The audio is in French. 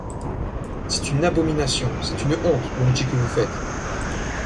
C’est une abomination, c’est une honte, le métier que vous faites !